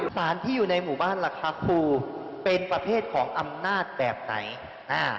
สารที่อยู่ในหมู่บ้านล่ะคะครูเป็นประเภทของอำนาจแบบไหนอ่า